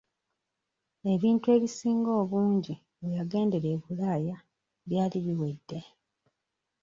Ebintu ebisinga obungi we yagendera e Bulaaya byali biwedde.